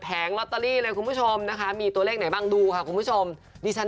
เพราะไม่อะสูนารีก็ถึง๕แสนถึงคึ้งล้าน